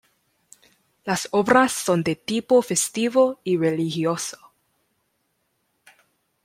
Las obras son de tipo festivo y religioso.